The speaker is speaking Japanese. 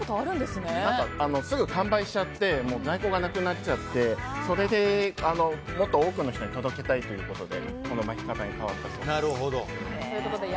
すぐ完売しちゃって在庫がなくなっちゃってもっと多くの人に届けたいということでこの巻き方に変わったそうです。